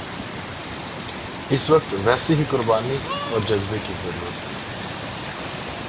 اس وقت ویسی ہی قربانی اور جذبے کی ضرورت ہے